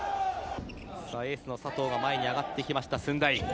エースの佐藤が前に上がってきました、駿台。